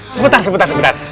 sebetar sebetar sebetar